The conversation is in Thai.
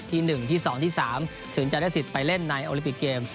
ที่๑ที่๒ที่๓ถึงจะได้สิทธิ์ไปเล่นในโอลิปิกเกม